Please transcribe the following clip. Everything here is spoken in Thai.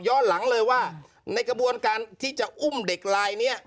หลังเลยว่าในกระบวนการที่จะอุ้มเด็กลายนี้